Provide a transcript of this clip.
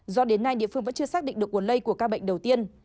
do đến nay địa phương vẫn chưa xác định được nguồn lây của ca bệnh đầu tiên